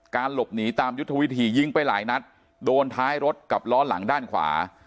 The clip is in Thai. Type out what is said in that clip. หลบหนีตามยุทธวิธียิงไปหลายนัดโดนท้ายรถกับล้อหลังด้านขวา